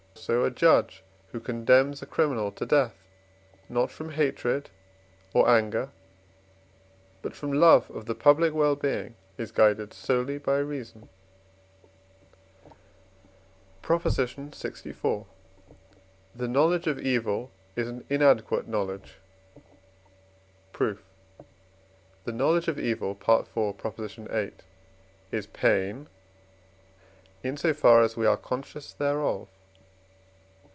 So a judge, who condemns a criminal to death, not from hatred or anger but from love of the public well being, is guided solely by reason. PROP. LXIV. The knowledge of evil is an inadequate knowledge. Proof. The knowledge of evil (IV. viii.) is pain, in so far as we are conscious thereof.